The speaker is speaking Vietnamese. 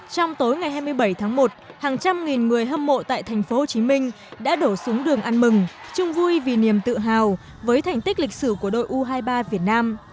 trong tối ngày hai mươi bảy tháng một hàng trăm nghìn người hâm mộ tại tp hcm đã đổ xuống đường ăn mừng chung vui vì niềm tự hào với thành tích lịch sử của đội u hai mươi ba việt nam